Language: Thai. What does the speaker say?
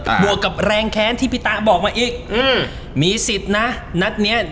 บวกกับแรงแค้นที่พี่ตะบอกมาอีกอืมมีสิทธิ์นะนัดเนี้ย